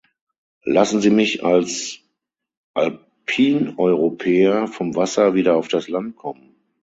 Lassen Sie mich als Alpineuropäer vom Wasser wieder auf das Land kommen.